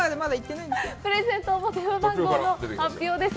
それではプレゼント応募電話番号の発表です。